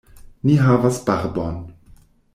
Ni havas barbon.